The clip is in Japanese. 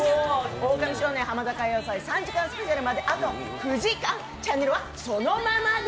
「オオカミ少年ハマダ歌謡祭」３時間スペシャルまであと９時間、チャンネルはそのままで。